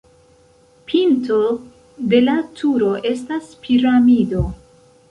Pinto de la turo estas piramido.